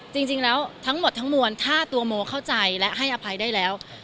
จริงแล้วทั้งหมดทั้งมวลถ้าตัวโมเข้าใจและให้อภัยได้แล้ว